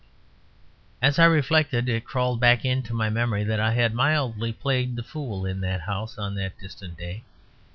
As I reflected it crawled back into my memory that I had mildly played the fool in that house on that distant day.